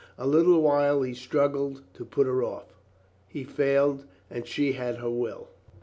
A little while he struggled to put her off. ... He failed and she had her will.